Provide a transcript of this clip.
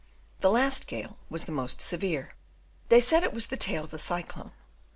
The last gale was the most severe; they said it was the tail of a cyclone.